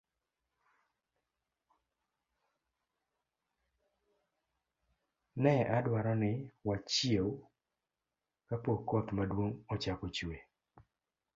Ne adwaro ni wachiew kapok koth maduong' ochako chue.